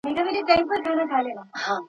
كوم اورنګ به خپل زخمونه ويني ژاړې.